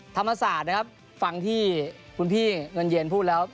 ธรรมศาสตร์นะครับฟังที่คุณพี่เงินเย็นพูดแล้ว